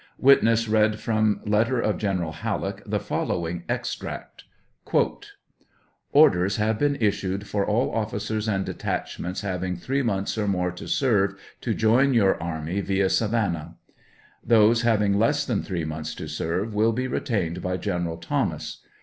(Witness read from letter of General Halleck the following extract :) "Orders have been issued for all officers and detach ments having three months or more to serve, to rejoin your army via Savannah. Those having less than three months to serve, will be retained by General Thomas.